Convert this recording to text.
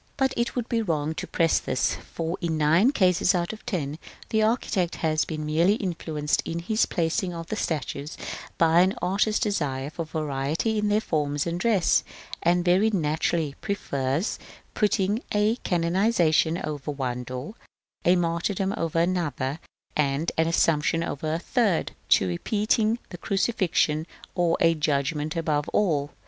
But it would be wrong to press this, for, in nine cases out of ten, the architect has been merely influenced in his placing of the statues by an artist's desire of variety in their forms and dress; and very naturally prefers putting a canonisation over one door, a martyrdom over another, and an assumption over a third, to repeating a crucifixion or a judgment above all.